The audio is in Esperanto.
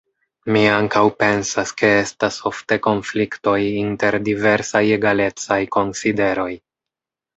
Mi ankaŭ pensas, ke estas ofte konfliktoj inter diversaj egalecaj konsideroj.